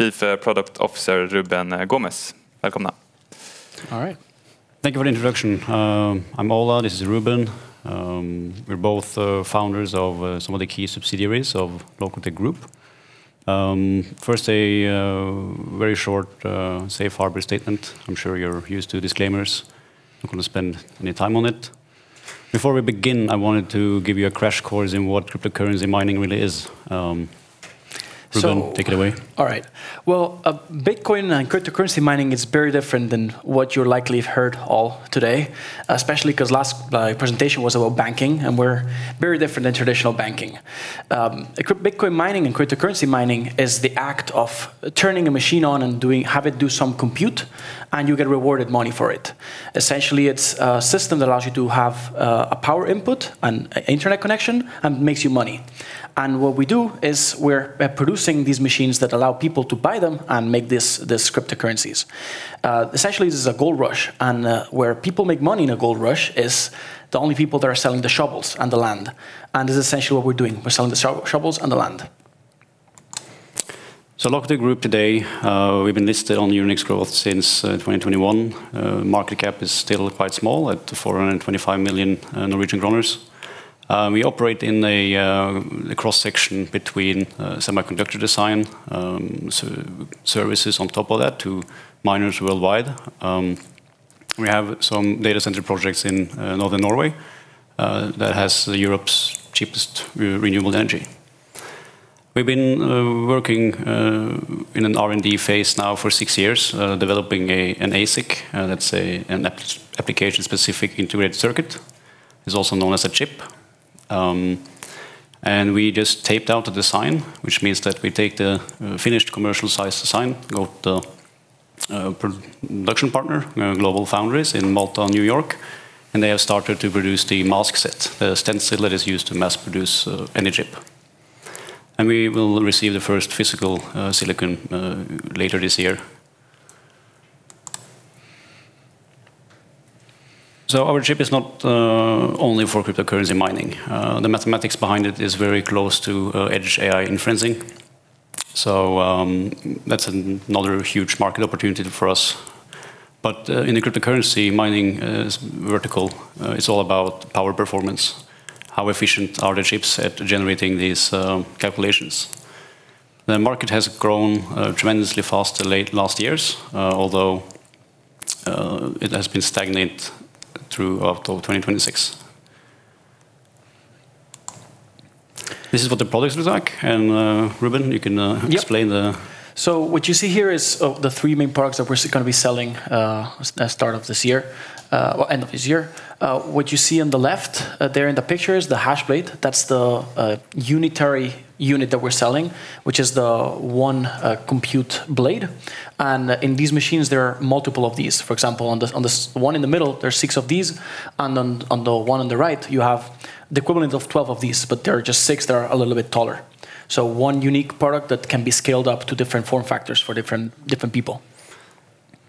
Chief Product Officer Rubén Gómez. Welcome. All right. Thank you for the introduction. I'm Ola, this is Rubén. We're both Founders of some of the key subsidiaries of Lokotech Group. First, a very short safe harbor statement. I'm sure you're used to disclaimers. Not going to spend any time on it. Before we begin, I wanted to give you a crash course in what cryptocurrency mining really is. Rubén, take it away. All right. Well, Bitcoin and cryptocurrency mining is very different than what you likely have heard all today, especially because last presentation was about banking, and we're very different than traditional banking. Bitcoin mining and cryptocurrency mining is the act of turning a machine on and have it do some compute, and you get rewarded money for it. Essentially, it's a system that allows you to have a power input, an internet connection, and makes you money. What we do is we're producing these machines that allow people to buy them and make these cryptocurrencies. Essentially, this is a gold rush, and where people make money in a gold rush is the only people that are selling the shovels and the land. This is essentially what we're doing. We're selling the shovels and the land. Lokotech Group today, we've been listed on Euronext Growth since 2021. Market cap is still quite small at 425 million Norwegian kroner. We operate in the cross-section between semiconductor design, services on top of that to miners worldwide. We have some data center projects in Northern Norway, that has Europe's cheapest renewable energy. We've been working in an R&D phase now for six years, developing an ASIC, that's an application-specific integrated circuit. It's also known as a chip. We just taped out the design, which means that we take the finished commercial size design of the production partner, GlobalFoundries in Malta and New York, and they have started to produce the mask set, a stencil that is used to mass produce any chip. We will receive the first physical silicon later this year. Our chip is not only for cryptocurrency mining. The mathematics behind it is very close to edge AI inferencing. That's another huge market opportunity for us. In the cryptocurrency mining vertical, it's all about power performance, how efficient are the chips at generating these calculations. The market has grown tremendously fast late last years, although it has been stagnant through October 2026. This is what the products look like. Rubén, you can explain. Yep. What you see here is the three main products that we're going to be selling end of this year. What you see on the left there in the picture is the Hashblade. That's the unitary unit that we're selling, which is the one compute blade. In these machines, there are multiple of these. For example, on the one in the middle, there are six of these. On the one on the right, you have the equivalent of 12 of these, but there are just six that are a little bit taller. One unique product that can be scaled up to different form factors for different people.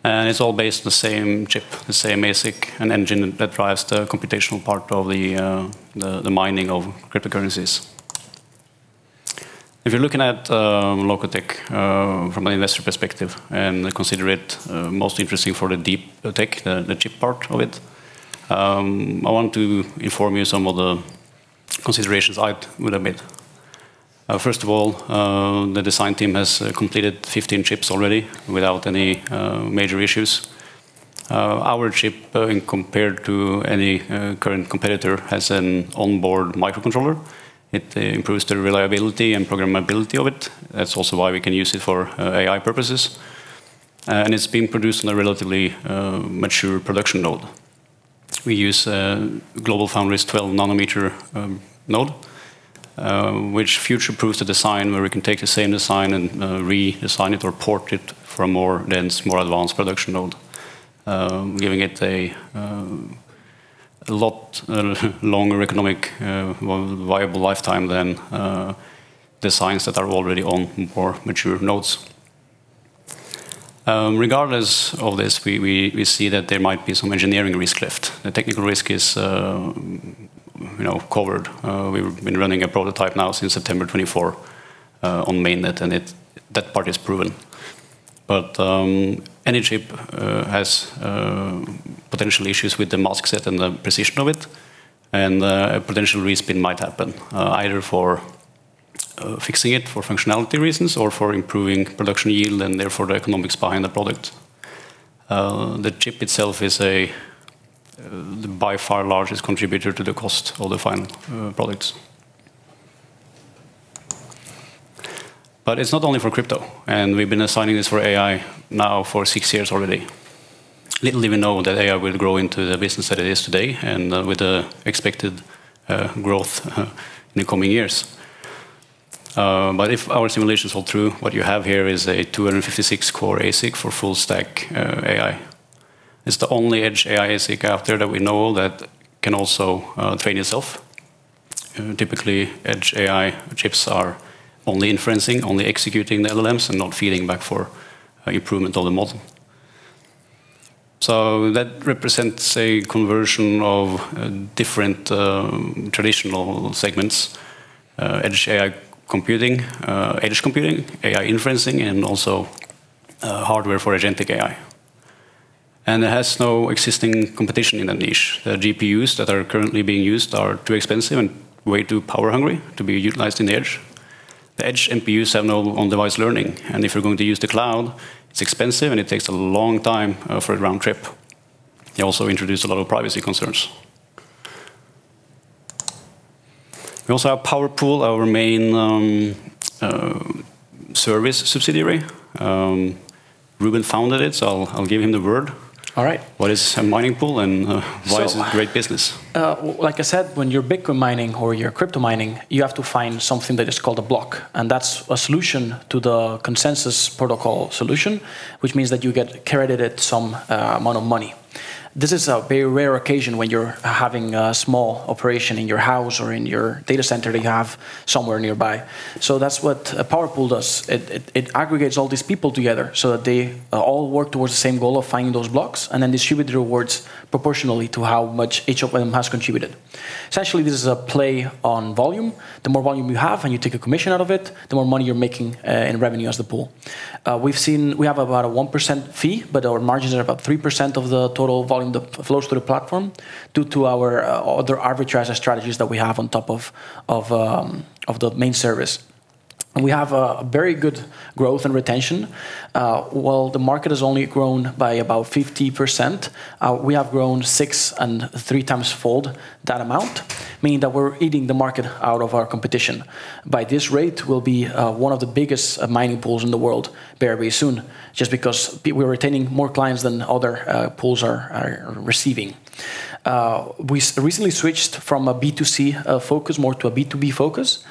It's all based on the same chip, the same basic, an engine that drives the computational part of the mining of cryptocurrencies. If you're looking at Lokotech from an investor perspective and consider it most interesting for the deep tech, the chip part of it, I want to inform you some of the considerations I would have made. First of all, the design team has completed 15 chips already without any major issues. Our chip, compared to any current competitor, has an onboard microcontroller. It improves the reliability and programmability of it. That's also why we can use it for AI purposes. It's being produced in a relatively mature production node. We use GlobalFoundries 12 nanometer node, which future-proofs the design where we can take the same design and reassign it or port it for a more dense, more advanced production node, giving it a lot longer economic viable lifetime than designs that are already on more mature nodes. Regardless of this, we see that there might be some engineering risk left. The technical risk is covered. We've been running a prototype now since September 2024, on mainnet, and that part is proven. Any chip has potential issues with the mask set and the precision of it, and a potential respin might happen, either for fixing it for functionality reasons or for improving production yield and therefore the economics behind the product. The chip itself is the by far largest contributor to the cost of the final products. It's not only for crypto. We've been assigning this for AI now for six years already. Little did we know that AI will grow into the business that it is today and with the expected growth in the coming years. If our simulations hold true, what you have here is a 256-core ASIC for full-stack AI. It's the only edge AI ASIC out there that we know that can also train itself. Typically, edge AI chips are only inferencing, only executing the LLMs and not feeding back for improvement on the model. That represents a conversion of different traditional segments, edge AI computing, edge computing, AI inferencing, and also hardware for agentic AI. It has no existing competition in that niche. The GPUs that are currently being used are too expensive and way too power-hungry to be utilized on the edge. The edge NPUs have no on-device learning. If you're going to use the cloud, it's expensive and it takes a long time for a round trip. It also introduces a lot of privacy concerns. We also have Powerpool, our main service subsidiary. Rubén founded it, so I'll give him the word. All right. What is a mining pool and why is it a great business? Like I said, when you're Bitcoin mining or you're crypto mining, you have to find something that is called a block, and that's a solution to the consensus protocol solution, which means that you get credited some amount of money. This is a very rare occasion when you're having a small operation in your house or in your data center that you have somewhere nearby. That's what a Powerpool does. It aggregates all these people together so that they all work towards the same goal of finding those blocks and then distribute the rewards proportionally to how much each of them has contributed. Essentially, this is a play on volume. The more volume you have, and you take a commission out of it, the more money you're making in revenue as the pool. We have about a 1% fee, but our margins are about 3% of the total volume that flows through the platform due to other arbitrage strategies that we have on top of the main service. We have a very good growth and retention. While the market has only grown by about 50%, we have grown six and three times fold that amount, meaning that we're eating the market out of our competition. By this rate, we'll be one of the biggest mining pools in the world very, very soon, just because we're retaining more clients than other pools are receiving. We recently switched from a B2C focus more to a B2B focus,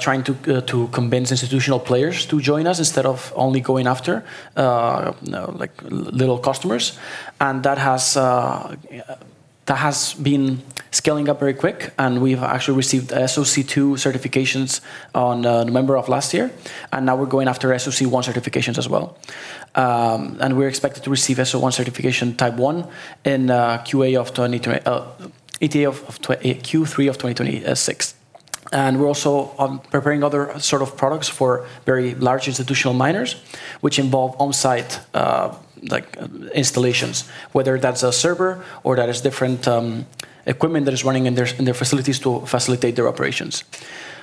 trying to convince institutional players to join us instead of only going after little customers. That has been scaling up very quick, and we've actually received SOC 2 certifications on November of last year, and now we're going after SOC 1 certifications as well. We're expected to receive SOC certification type 1 in Q3 of 2026. We're also preparing other sort of products for very large institutional miners, which involve on-site installations, whether that's a server or that is different equipment that is running in their facilities to facilitate their operations.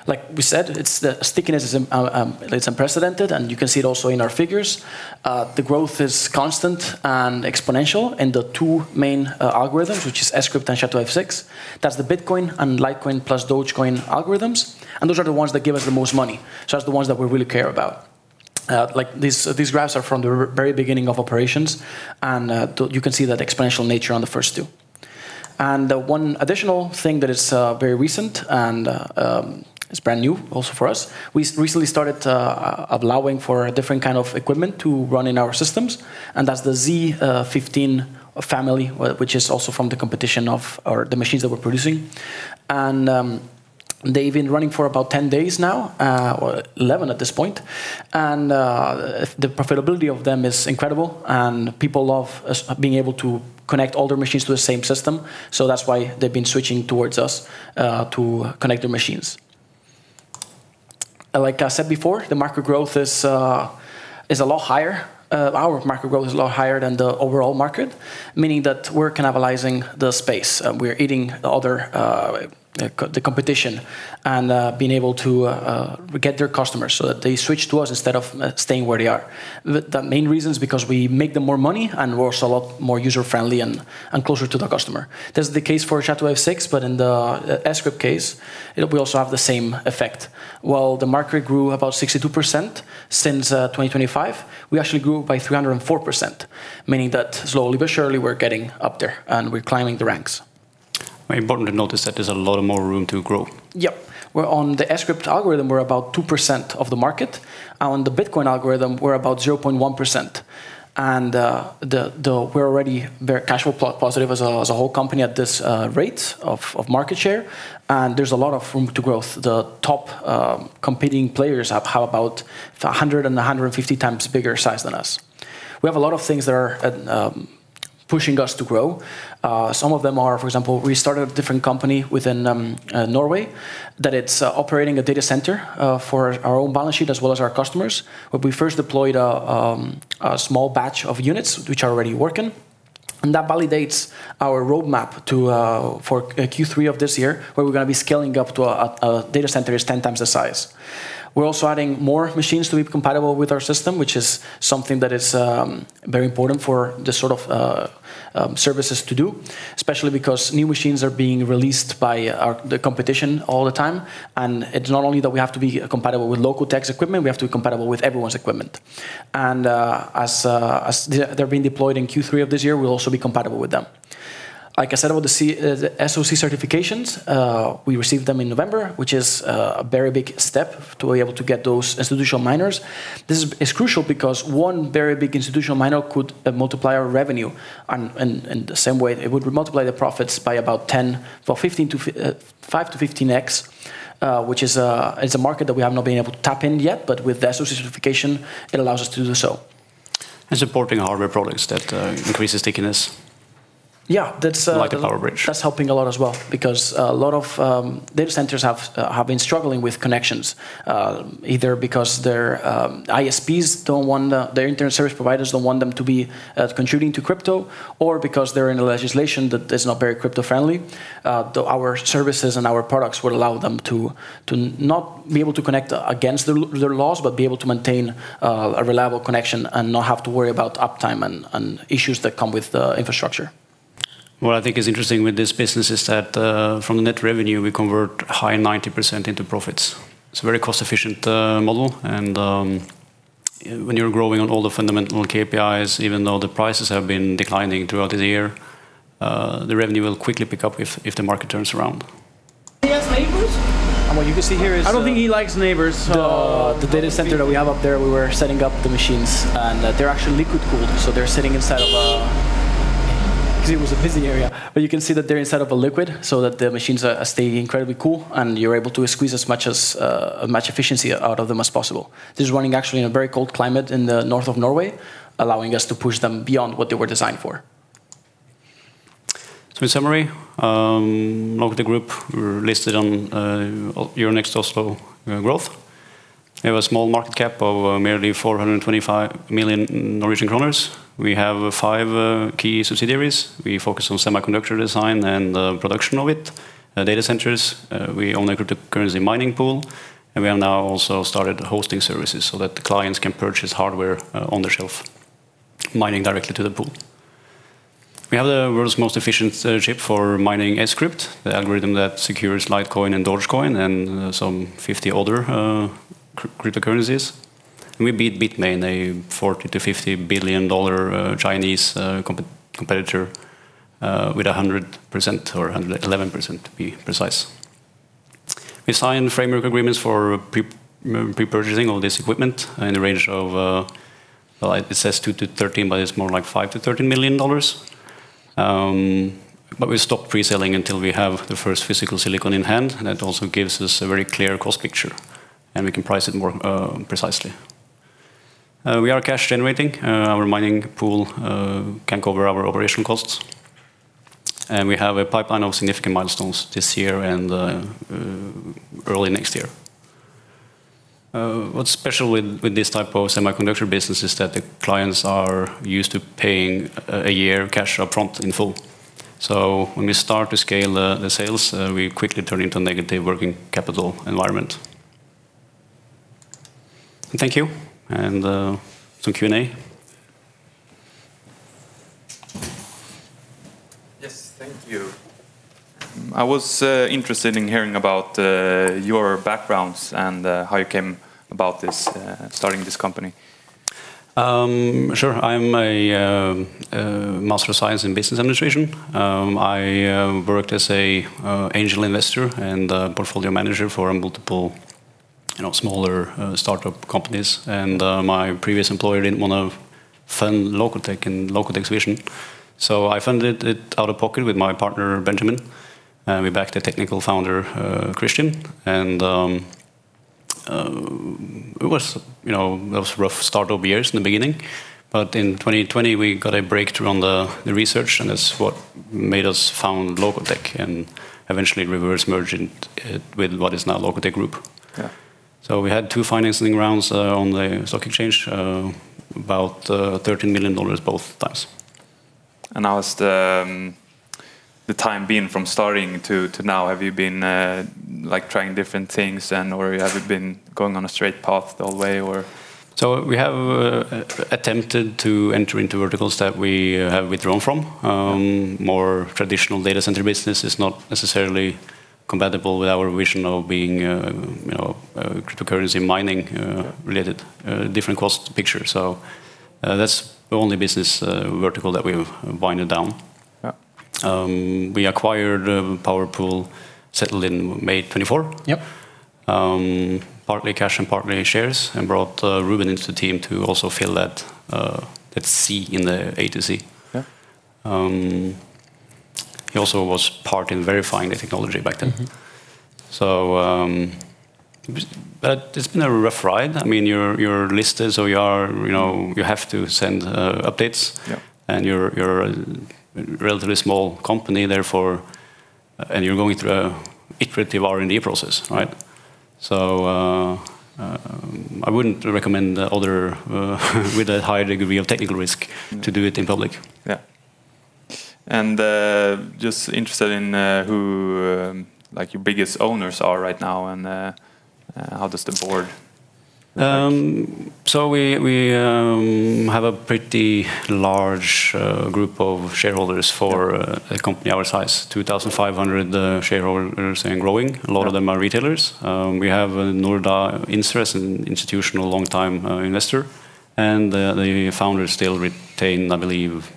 Like we said, the stickiness is unprecedented, and you can see it also in our figures. The growth is constant and exponential in the two main algorithms, which is Scrypt and SHA-256. That's the Bitcoin and Litecoin plus Dogecoin algorithms, and those are the ones that give us the most money. That's the ones that we really care about. These graphs are from the very beginning of operations, and you can see that exponential nature on the first two. One additional thing that is very recent and is brand new also for us, we recently started allowing for a different kind of equipment to run in our systems, and that's the Z15 family, which is also from the competition of the machines that we're producing. They've been running for about 10 days now, or 11 at this point. The profitability of them is incredible. People love being able to connect all their machines to the same system, that's why they've been switching towards us to connect their machines. Like I said before, our market growth is a lot higher than the overall market, meaning that we're cannibalizing the space. We're eating the competition and being able to get their customers, so that they switch to us instead of staying where they are. The main reason is because we make them more money and we're also a lot more user-friendly and closer to the customer. That's the case for SHA-256, but in the Scrypt case, we also have the same effect. While the market grew about 62% since 2025, we actually grew by 304%, meaning that slowly but surely we're getting up there and we're climbing the ranks. Very important to notice that there's a lot more room to grow. Yep. On the Scrypt algorithm, we're about 2% of the market. On the Bitcoin algorithm, we're about 0.1%. We're already very cash flow positive as a whole company at this rate of market share, and there's a lot of room to growth. The top competing players have about 100 and 150 times bigger size than us. We have a lot of things that are pushing us to grow. Some of them are, for example, we started a different company within Norway that it's operating a data center for our own balance sheet as well as our customers'. We first deployed a small batch of units which are already working, and that validates our roadmap for Q3 of this year, where we're going to be scaling up to a data center that's 10 times the size. We're also adding more machines to be compatible with our system, which is something that is very important for this sort of services to do, especially because new machines are being released by the competition all the time. It's not only that we have to be compatible with Lokotech's equipment, we have to be compatible with everyone's equipment. As they're being deployed in Q3 of this year, we'll also be compatible with them. Like I said about the SOC certifications, we received them in November, which is a very big step to be able to get those institutional miners. This is crucial because one very big institutional miner could multiply our revenue in the same way it would multiply the profits by about 5 to 15x, which is a market that we have not been able to tap in yet, but with the SOC certification, it allows us to do so. Supporting hardware products that increase the stickiness like a PowerBridge. That's helping a lot as well, because a lot of data centers have been struggling with connections, either because their ISPs, their internet service providers, don't want them to be contributing to crypto or because they're in a legislation that is not very crypto friendly. Though our services and our products would allow them to not be able to connect against their laws, but be able to maintain a reliable connection and not have to worry about uptime and issues that come with the infrastructure. What I think is interesting with this business is that, from the net revenue, we convert a high 90% into profits. It's a very cost-efficient model, and when you're growing on all the fundamental KPIs, even though the prices have been declining throughout the year, the revenue will quickly pick up if the market turns around. He has neighbors? What you can see here is. I don't think he likes neighbors. The data center that we have up there. We were setting up the machines, and they're actually liquid cooled. they're sitting inside of a. Because it was a busy area, but you can see that they're inside of a liquid so that the machines are staying incredibly cool, and you're able to squeeze as much efficiency out of them as possible. This is running actually in a very cold climate in the north of Norway, allowing us to push them beyond what they were designed for. In summary, Lokotech Group, we're listed on Euronext Growth Oslo. We have a small market cap of merely 425 million Norwegian kroner. We have five key subsidiaries. We focus on semiconductor design and the production of it. Data centers, we own a cryptocurrency mining pool, and we have now also started hosting services so that the clients can purchase hardware on the shelf, mining directly to the pool. We have the world's most efficient chip for mining Scrypt, the algorithm that secures Litecoin and Dogecoin and some 50 other cryptocurrencies. We beat Bitmain, a $40 billion-$50 billion Chinese competitor, with 100%, or 111%, to be precise. We sign framework agreements for pre-purchasing all this equipment in the range of, well, it says two to 13, but it's more like $5 million-$13 million. We've stopped pre-selling until we have the first physical silicon in hand. That also gives us a very clear cost picture, and we can price it more precisely. We are cash generating. Our mining pool can cover our operation costs. We have a pipeline of significant milestones this year and early next year. What's special with this type of semiconductor business is that the clients are used to paying a year of cash upfront in full. When we start to scale the sales, we quickly turn into a negative working capital environment. Thank you. Some Q&A. Yes. Thank you. I was interested in hearing about your backgrounds and how you came about starting this company. Sure. I'm a Master of Science in Business Administration. I worked as an angel investor and a portfolio manager for multiple smaller startup companies. My previous employer didn't want to fund Lokotech and Lokotech's vision. I funded it out of pocket with my partner, Benjamin. We backed a technical founder, Christian, and those were rough startup years in the beginning. In 2020, we got a breakthrough on the research, and that's what made us found Lokotech and eventually reverse merge it with what is now Lokotech Group. We had two financing rounds on the stock exchange, about NOK 13 million both times. How has the time been from starting to now? Have you been trying different things or have you been going on a straight path the whole way or? We have attempted to enter into verticals that we have withdrawn from. More traditional data center business is not necessarily compatible with our vision of being cryptocurrency mining related. Different cost picture. That's the only business vertical that we've winded down. We acquired Powerpool, settled in May 2024. Partly cash and partly shares, brought Rubén into the team to also fill that C in the A to Z. He also was part in verifying the technology back then. It's been a rough ride. You're listed, you have to send updates. You're a relatively small company, and you're going through an iterative R&D process, right? I wouldn't recommend other with a high degree of technical risk to do it in public. Yeah. Just interested in who your biggest owners are right now, and how does the board look like? We have a pretty large group of shareholders for a company our size. 2,500 shareholders and growing. A lot of them are retailers. We have Nordea Invest, an institutional long-time investor. The founders still retain, I believe,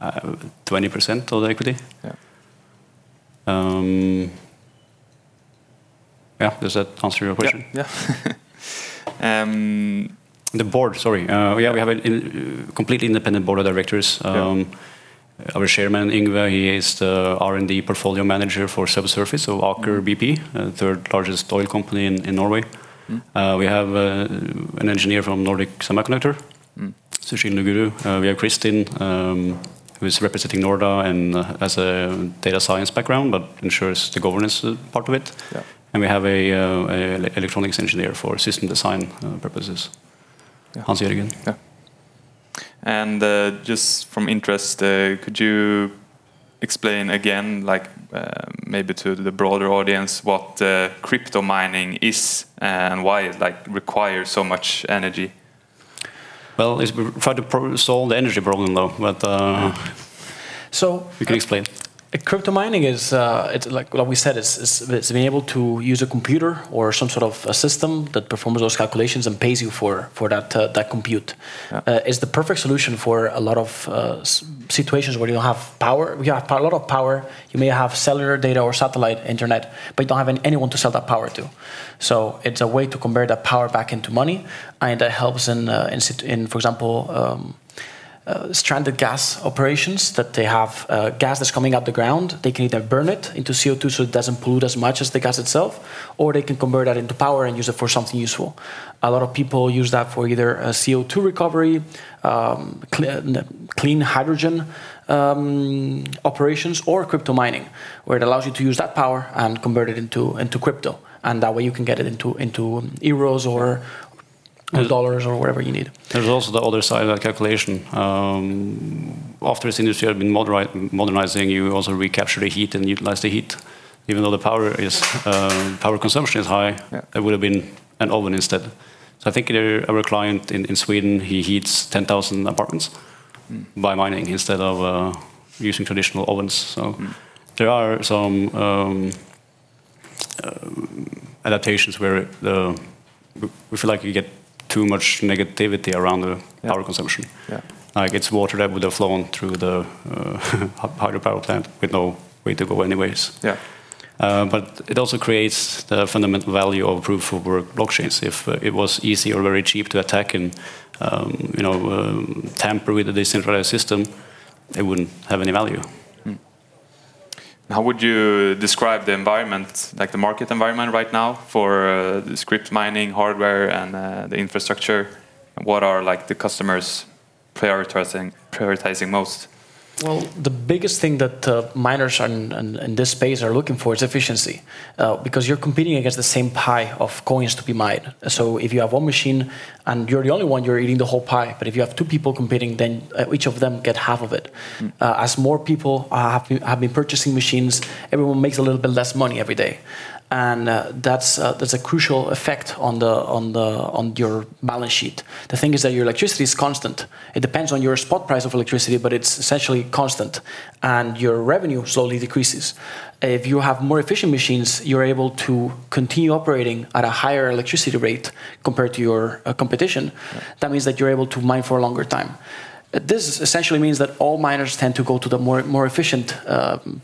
20% of the equity. Yeah. Does that answer your question? Yeah. The board, sorry. Yeah, we have a completely independent board of directors. Our chairman, Yngve, he is the R&D portfolio manager for subsurface, so Aker BP, the third-largest oil company in Norway. We have an engineer from Nordic Semiconductor. Susheel Naguru. We have Kristin who is representing Northa and has a data science background, but ensures the governance part of it. We have a electronics engineer for system design purposes. Hans-Jørgen. Yeah. Just from interest, could you explain again, maybe to the broader audience, what crypto mining is and why it requires so much energy? We try to solve the energy problem, though. You can explain. Crypto mining is, like we said, it's being able to use a computer or some sort of a system that performs those calculations and pays you for that compute. It's the perfect solution for a lot of situations where you don't have a lot of power. You may have cellular data or satellite internet, but you don't have anyone to sell that power to. It's a way to convert that power back into money, and that helps in, for example, stranded gas operations that they have gas that's coming out the ground. They can either burn it into CO2, so it doesn't pollute as much as the gas itself, or they can convert that into power and use it for something useful. A lot of people use that for either CO2 recovery, clean hydrogen operations, or crypto mining, where it allows you to use that power and convert it into crypto. That way, you can get it into euros or dollars or whatever you need. There's also the other side of that calculation. After this industry had been modernizing, you also recapture the heat and utilize the heat. Even though the power consumption is high. It would've been an oven instead. I think our client in Sweden, he heats 10,000 apartments by mining instead of using traditional ovens. There are some adaptations where we feel like you get too much negativity around the power consumption. Like it's water that would've flown through the hydropower plant with no way to go anyways. It also creates the fundamental value of proof of work blockchains. If it was easy or very cheap to attack and tamper with the decentralized system, it wouldn't have any value. How would you describe the environment, like the market environment right now for Scrypt mining, hardware, and the infrastructure? What are the customers prioritizing most? The biggest thing that the miners in this space are looking for is efficiency. You're competing against the same pie of coins to be mined. If you have one machine and you're the only one, you're eating the whole pie. If you have two people competing, then each of them get half of it. As more people have been purchasing machines, everyone makes a little bit less money every day. That's a crucial effect on your balance sheet. The thing is that your electricity is constant. It depends on your spot price of electricity, but it's essentially constant, and your revenue slowly decreases. If you have more efficient machines, you're able to continue operating at a higher electricity rate compared to your competition. That means that you're able to mine for a longer time. This essentially means that all miners tend to go to the more efficient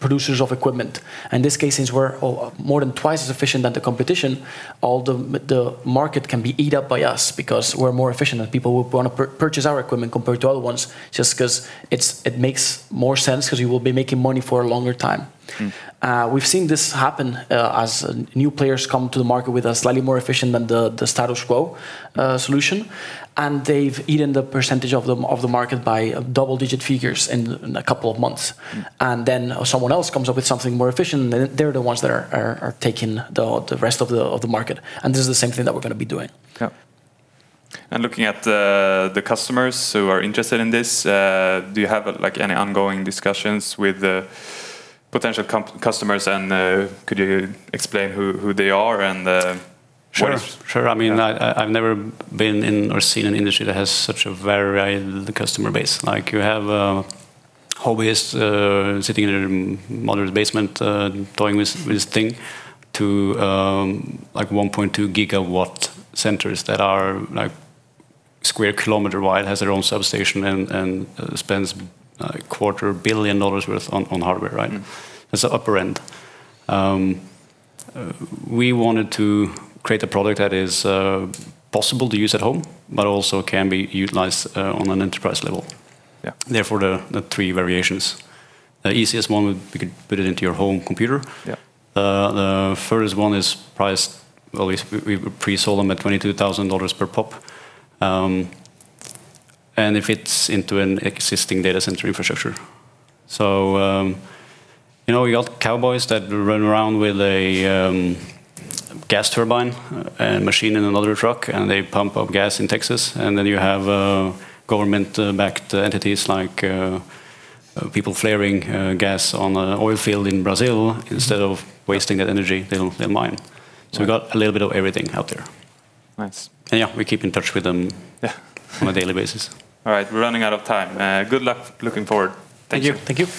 producers of equipment. In this case, since we're more than twice as efficient than the competition, all the market can be eat up by us because we're more efficient, and people will want to purchase our equipment compared to other ones just because it makes more sense because you will be making money for a longer time. We've seen this happen as new players come to the market with a slightly more efficient than the status quo solution. They've eaten the percentage of the market by double-digit figures in a couple of months. Then someone else comes up with something more efficient and they're the ones that are taking the rest of the market. This is the same thing that we're going to be doing. Yeah. Looking at the customers who are interested in this, do you have any ongoing discussions with potential customers and could you explain who they are? Sure. I've never been in or seen an industry that has such a varied customer base. Like you have hobbyists sitting in a modest basement toying with this thing to 1.2 gigawatt centers that are a square kilometer wide, has their own substation, and spends a quarter billion dollars worth on hardware. That's the upper end. We wanted to create a product that is possible to use at home, but also can be utilized on an enterprise level. Therefore, the three variations. The easiest one would be you could put it into your home computer. The furthest one is priced, well, we've pre-sold them at $22,000 per pop. It fits into an existing data center infrastructure. You got cowboys that run around with a gas turbine machine in another truck, and they pump up gas in Texas, and then you have government-backed entities like people flaring gas on an oil field in Brazil. Instead of wasting that energy, they'll mine. We've got a little bit of everything out there. Nice. Yeah, we keep in touch with them on a daily basis. All right. We're running out of time. Good luck. Looking forward. Thank you. Thank you.